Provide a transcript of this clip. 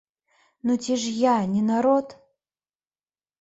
Ну ці ж я не народ?